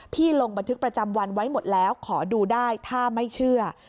ลงบันทึกประจำวันไว้หมดแล้วขอดูได้ถ้าไม่เชื่อ